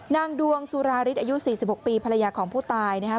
นางดวงสุราฤทธิอายุ๔๖ปีภรรยาของผู้ตายนะครับ